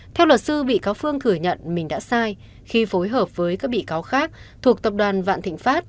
theo luật sư bị cáo phương thừa nhận mình đã sai khi phối hợp với các bị cáo khác thuộc tập đoàn vạn thịnh pháp